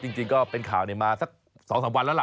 จริงก็เป็นข่าวมาสัก๒๓วันแล้วล่ะ